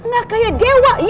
gak kayak dewa